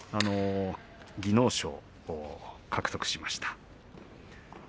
技能賞を獲得しました。